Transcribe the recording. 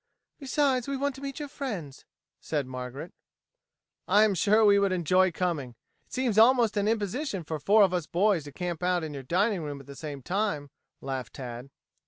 "Besides, we want to meet your friends," said Margaret. "And I am sure we should enjoy coming. It seems almost an imposition for four of us boys to camp out in your dining room at the same time," laughed Tad.